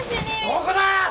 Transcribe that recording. どこだ！？